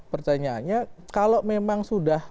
pertanyaannya kalau memang sudah